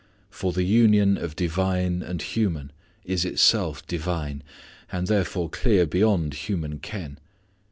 For the union of divine and human is itself divine, and therefore clear beyond human ken.